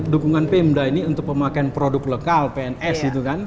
dukungan pemda ini untuk pemakaian produk lokal pns